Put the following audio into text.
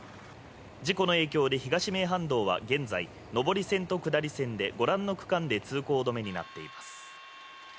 事故の影響で東名阪道は現在、上り線と下り線でご覧の区間で通行止めになっています。